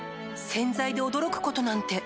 洗剤で驚くことなんて